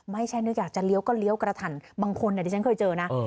ไม่ใช่นึกอยากจะเลี้ยวก็เลี้ยวกระทันบางคนที่ฉันเคยเจอนะ